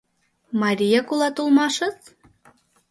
Марияк улат улмашыс.